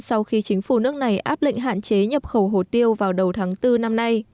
sau khi chính phủ nước này áp lệnh hạn chế nhập khẩu hồ tiêu vào đầu tháng bốn năm nay